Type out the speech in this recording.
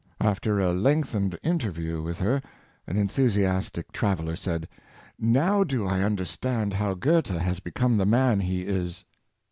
After a lengthened interview with her, an enthusiastic traveler said, '' Now do I understand how Goethe has become the man he is."